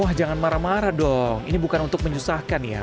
wah jangan marah marah dong ini bukan untuk menyusahkan ya